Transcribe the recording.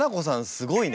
すごいね。